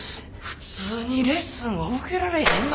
普通にレッスンを受けられへんのか！？